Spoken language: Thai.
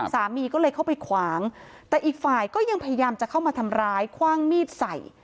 สามีก็เลยเข้าไปขวางแต่อีกฝ่ายก็ยังพยายามจะเข้ามาทำร้ายคว่างมีดใส่